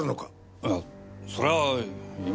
いやそれは今。